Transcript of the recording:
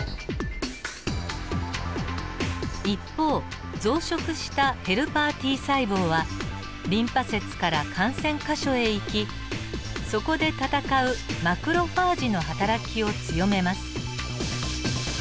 一方増殖したヘルパーＴ細胞はリンパ節から感染箇所へ行きそこで戦うマクロファージのはたらきを強めます。